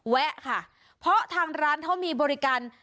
แวะค่ะเพราะทางร้านเขามีบริการ